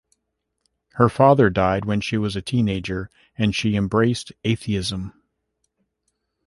Her father died when she was a teenager, and she embraced atheism.